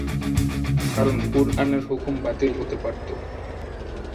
কারণ কুরআনের হুকুম বাতিল হতে পারত।